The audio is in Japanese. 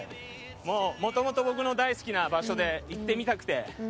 もともと僕の大好きな場所で行ってみたくて。